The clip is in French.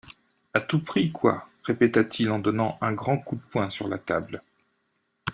À tout prix, quoi ! répéta-t-il en donnant un grand coup de poing sur la table.